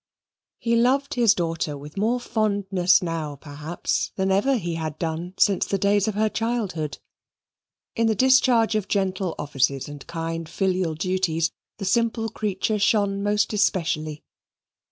He loved his daughter with more fondness now, perhaps, than ever he had done since the days of her childhood. In the discharge of gentle offices and kind filial duties, this simple creature shone most especially.